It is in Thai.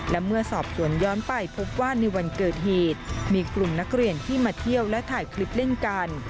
และเมื่อสอบสวนย้อนไปพบว่าในวันเกิดเหตุมีกลุ่มนักเรียนที่มาเที่ยวและถ่ายคลิปเล่นกัน